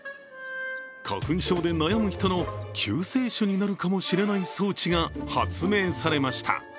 花粉症で悩む人の救世主になるかもしれない装置が発明されました。